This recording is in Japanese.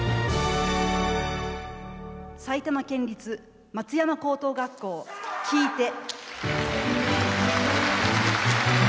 埼玉県立松山高等学校「聞いて。」。